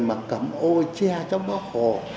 mà cầm ô che trong bó khổ